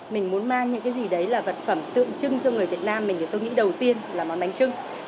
mình muốn mang những cái gì đấy là vật phẩm tượng trưng cho người việt nam mình thì tôi nghĩ đầu tiên là món bánh trưng